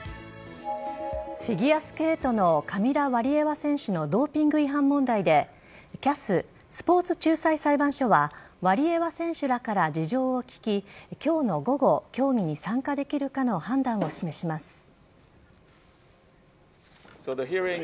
フィギュアスケートのカミラ・ワリエワ選手のドーピング違反問題で、ＣＡＳ・スポーツ仲裁裁判所はワリエワ選手らから事情を聞き、きょうの午後、競技に参加できるかの判断を示します。